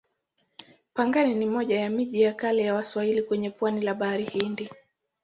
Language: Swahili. Pangani ni moja ya miji ya kale ya Waswahili kwenye pwani la Bahari Hindi.